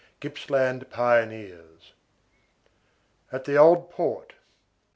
GIPPSLAND PIONEERS. AT THE OLD PORT.